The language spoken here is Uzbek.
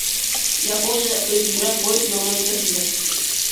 Yaponiyada o‘ziyurar poyezd sinovdan o‘tkazildi